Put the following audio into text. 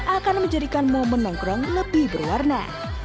akan menjadikan momen nongkrong lebih berwarna